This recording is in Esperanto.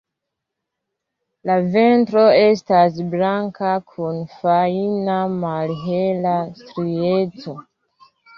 La ventro estas blanka kun fajna malhela strieco.